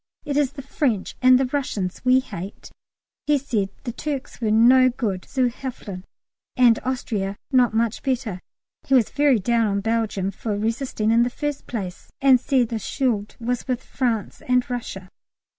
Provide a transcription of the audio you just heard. it is the French and the Russians we hate." He said the Turks were no good zu helfen, and Austria not much better. He was very down on Belgium for resisting in the first place! and said the Schuld was with France and Russia.